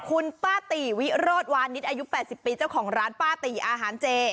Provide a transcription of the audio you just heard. คุณป้าติวิโรธวานิดอายุ๘๐ปีเจ้าของร้านป้าติอาหารเจ